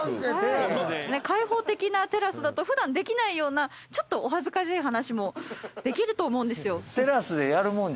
開放的なテラスだと普段できないようなちょっとお恥ずかしい話もできると思うんですよ。